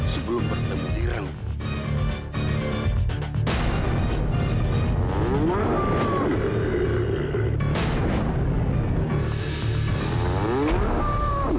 sebelum bertemu dirimu